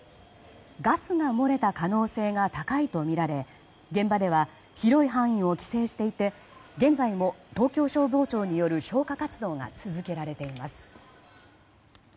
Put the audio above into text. ガスが漏れた可能性が高いとみられ現場では広い範囲を規制していて現在も東京消防庁による消火活動が続けられています。